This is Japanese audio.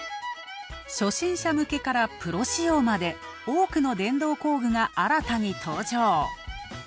初心者向けからプロ仕様まで多くの電動工具が新たに登場。